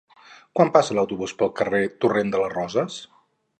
Quan passa l'autobús pel carrer Torrent de les Roses?